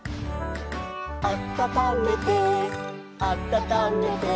「あたためてあたためて」